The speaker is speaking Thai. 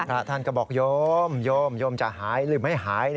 พระท่านก็บอกโยมโยมโยมจะหายหรือไม่หาย